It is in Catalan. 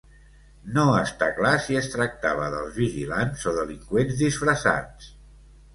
No està clar si es tractava dels vigilants o delinqüents disfressats.